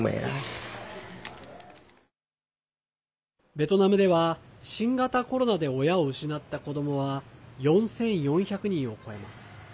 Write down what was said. ベトナムでは新型コロナで親を失った子どもは４４００人を超えます。